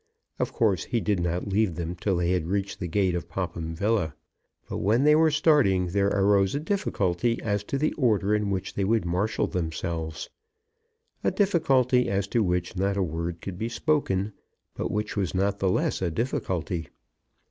Of course he did not leave them till they had reached the gate of Popham Villa. But when they were starting there arose a difficulty as to the order in which they would marshal themselves; a difficulty as to which not a word could be spoken, but which was not the less a difficulty.